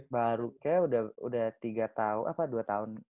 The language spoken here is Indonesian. baru kayak udah tiga tahun apa dua tahun